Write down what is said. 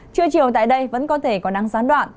trưa chiều tại đây vẫn có thể có nắng gián đoạn